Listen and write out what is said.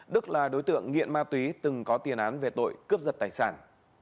đức là đối tượng nghiện ma túy từng có tiền án về tội cướp giật tài sản